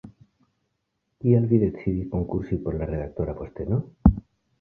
Kial vi decidis konkursi por la redaktora posteno?